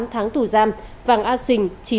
tám tháng tù giam vàng a xình